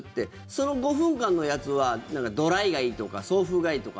その５分間のやつはドライがいいとか送風がいいとか。